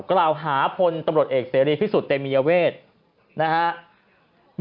กล่าวหาพลตำรวจเอกเตรียมพิสุทธิ์เต็มมีเยาเวศ